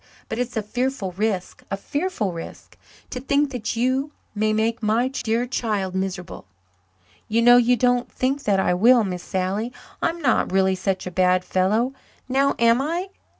But it's a fearful risk a fearful risk. To think that you may make my dear child miserable!" "You know you don't think that I will, Miss Sally. I'm not really such a bad fellow, now, am I?"